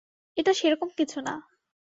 এটা সেরকম কিছু না।